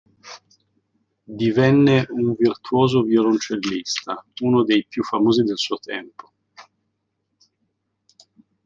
Divenne un virtuoso violoncellista, uno dei più famosi del suo tempo.